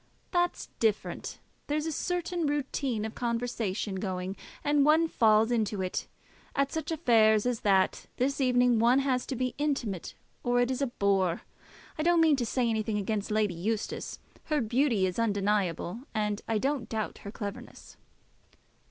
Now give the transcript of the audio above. "That's different. There's a certain routine of conversation going, and one falls into it. At such affairs as that this evening one has to be intimate, or it is a bore. I don't mean to say anything against Lady Eustace. Her beauty is undeniable, and I don't doubt her cleverness."